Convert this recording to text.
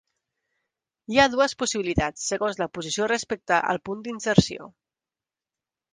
Hi ha dues possibilitats segons la posició respecte al punt d'inserció.